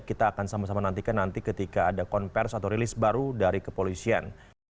kita akan sama sama nantikan nanti ketika ada konversi atau rilis baru dari kepolisian